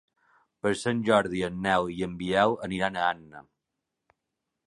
Per Sant Jordi en Nel i en Biel aniran a Anna.